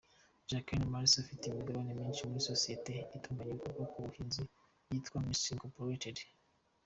Jaqueline Mars afite imigabane myinshi muri sosiyete itunganya ibikomoka ku buhinzi yitwa Mars incorporated.